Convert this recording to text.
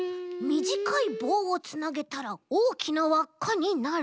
みじかいぼうをつなげたらおおきなわっかになる？